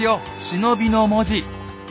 「忍」の文字！